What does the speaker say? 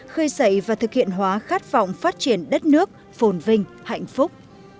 khơi dậy và thực hiện hóa khát vọng phát triển đất nước phồn vinh hạnh phúc